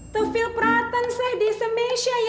tevil peraten seh di semesya ya